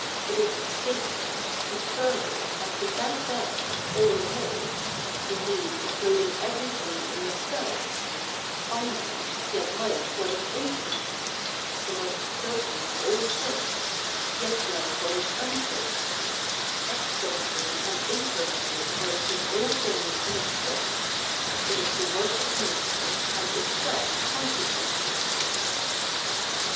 It is sacred, eternal, and without bounds, all in all; indeed including everything in itself; finite, yet like what is infinite; the most certain of all things, yet like what is uncertain, externally and internally embracing all things in itself; it is the work of nature, and itself constitutes nature.